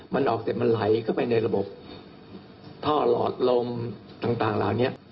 มันออกแต่มันไหลเข้าไปในระบบท่อหลอดลมต่างแล้วเนี่ย